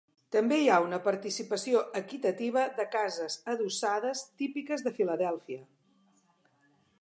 També hi ha una participació equitativa de cases adossades típiques de Filadèlfia.